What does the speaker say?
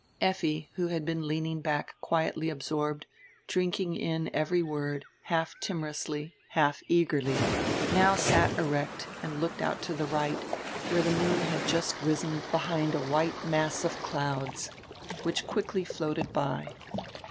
Effi, who had been leaning back quietly absorbed, drink ing in every word, half timorously, half eagerly, now sat erect and looked out to die right, where die moon had just risen behind a white mass of clouds, which quickly floated by.